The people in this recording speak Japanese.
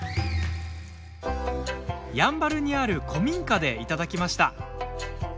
やんばるにある古民家でいただきました。